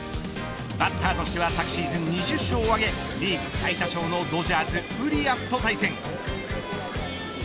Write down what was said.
バッターとしては昨シーズン２０勝を挙げリーグ最多勝のドジャース、ウリアスと対戦。